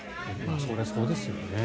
それはそうですよね。